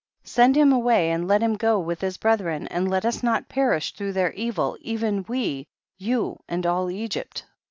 send him away and let him go with his brethren, and let us not perish through their evil, even we, you and all Egypt.